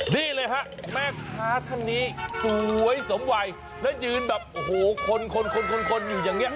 นี่เลยฮะแม่ค้าท่านนี้สวยสมวัยแล้วยืนแบบโอ้โหคนคนอยู่อย่างนี้